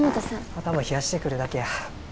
頭冷やしてくるだけや。